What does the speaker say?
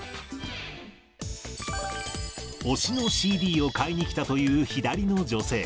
推しのＣＤを買いに来たという左の女性。